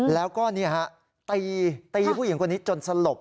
แล้วก็ตีตีผู้หญิงคนนี้จนสลบ